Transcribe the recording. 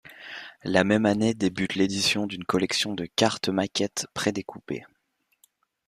La même année débute l'édition d'une collection de cartes-maquettes prédécoupées.